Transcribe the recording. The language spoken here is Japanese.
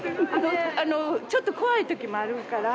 ちょっと怖い時もあるから。